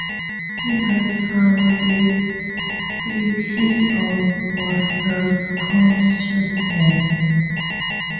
He bled her beliefs till she almost lost consciousness.